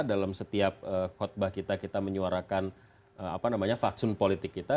dalam setiap khutbah kita kita menyuarakan faksun politik kita